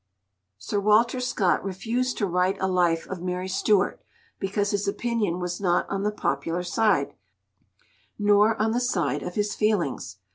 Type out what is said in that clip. Sir Walter Scott refused to write a life of Mary Stuart because his opinion was not on the popular side, nor on the side of his feelings.